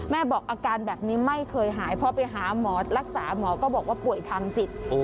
บอกอาการแบบนี้ไม่เคยหายเพราะไปหาหมอรักษาหมอก็บอกว่าป่วยทางจิต